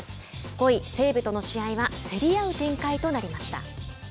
５位西武との試合は競り合う展開となりました。